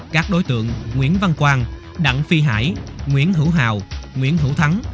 các đối tượng nguyễn văn quang đặng phi hải nguyễn hữu hào nguyễn hữu thắng